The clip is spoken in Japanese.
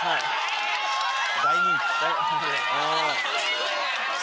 大人気！